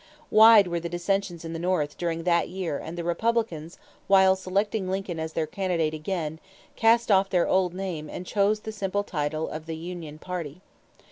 Wide were the dissensions in the North during that year and the Republicans, while selecting Lincoln as their candidate again, cast off their old name and chose the simple title of the "Union party."